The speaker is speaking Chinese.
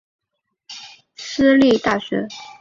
人文大学是蒙古国首都乌兰巴托的一所私立大学。